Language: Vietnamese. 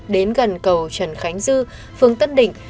đến gần cầu trần khánh dư phương tân định